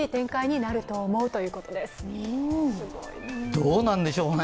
どうなるんでしょうね。